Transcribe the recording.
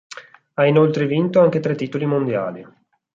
Ha inoltre vinto anche tre titoli mondiali.